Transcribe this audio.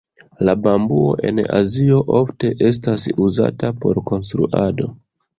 La bambuo en Azio ofte estas uzata por konstruado.